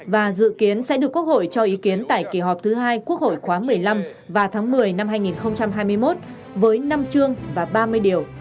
và dự kiến sẽ được quốc hội cho ý kiến tại kỳ họp thứ hai quốc hội khóa một mươi năm vào tháng một mươi năm hai nghìn hai mươi một với năm chương và ba mươi điều